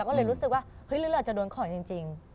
เราก็เลยรู้สึกว่าหรือเหลือจะโดนของจริง